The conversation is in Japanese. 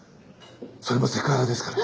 それもセクハラですから。